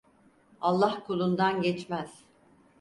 Allah kulundan geçmez.